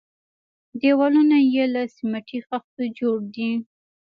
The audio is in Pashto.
دېوالونه يې له سميټي خښتو جوړ دي.